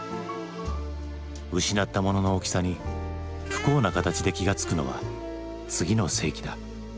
失ったものの大きさに不幸な形で気が付くのは次の世紀だ。